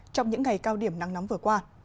trong những ngày cao điểm nắng nóng vừa qua